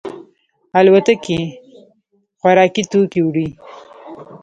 الوتکې خوراکي توکي وړي.